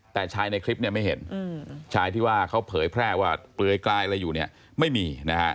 แต่ชายในคลิปเนี่ยไม่เห็นชายที่ว่าเขาเผยแพร่ว่าเปลือยกลายอะไรอยู่เนี่ยไม่มีนะฮะ